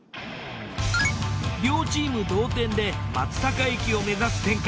両チーム同点で松阪行きを目指す展開。